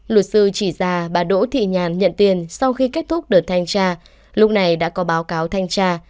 luật sư chỉ ra bà đỗ thị nhàn nhận tiền sau khi kết thúc đợt thanh tra lúc này đã có báo cáo thanh tra